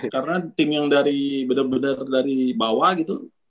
karena tim yang dari bener bener dari bawah gitu